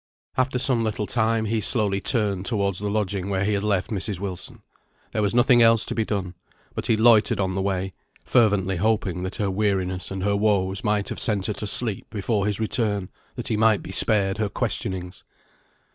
After some little time he slowly turned towards the lodging where he had left Mrs. Wilson. There was nothing else to be done; but he loitered on the way, fervently hoping that her weariness and her woes might have sent her to sleep before his return, that he might be spared her questionings.